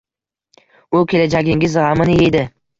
U kelajagingiz g’amini yeydi.